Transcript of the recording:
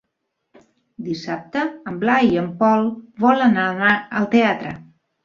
Dissabte en Blai i en Pol volen anar al teatre.